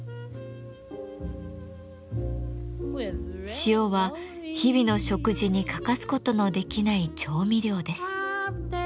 塩は日々の食事に欠かすことのできない調味料です。